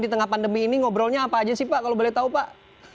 di tengah pandemi ini ngobrolnya apa aja sih pak kalau boleh tahu pak